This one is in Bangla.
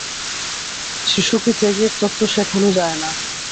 শিশুকে ত্যাগের তত্ত্ব শেখানো যায় না।